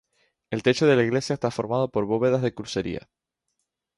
El techo de la iglesia está formado por bóvedas de crucería.